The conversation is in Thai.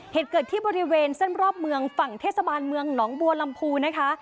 เหตุเกิดที่บริเวณเส้นรอบเมืองฝั่งเทศบาลเมืองหนองบัวลำพูนะคะ